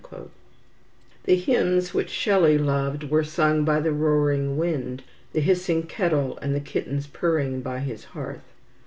The hymns which Shelley loved were sung by the roaring wind, the hissing kettle, and the kittens purring by his hearth.